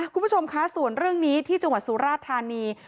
คุณผู้ชมคะส่วนเรื่องนี้ที่จังหวัดสุราธานี